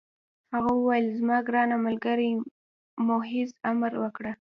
هغه وویل: زما ګرانه ملګرې، محض امر وکړه.